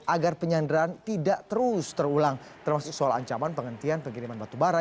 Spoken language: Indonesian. agar penyandaran tidak terus terulang termasuk soal ancaman penghentian pengiriman batu bara